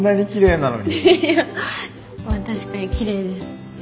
いやまあ確かにきれいです。